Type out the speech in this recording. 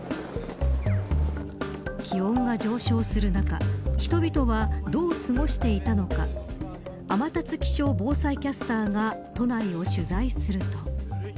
気温が上昇する中人々がどう過ごしていたのか天達気象防災キャスターが都内を取材すると。